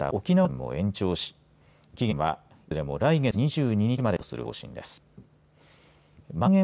また沖縄県の緊急事態宣言も延長し期限は、いずれも来月２２日までとする方針です。